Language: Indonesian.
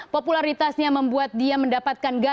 popularitasnya membuat dia mendapatkan gaji